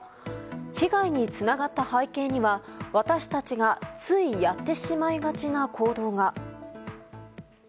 被害につながった背景には私たちがついやってしまいがちな行動が。